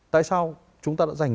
tại sao chúng ta đã dành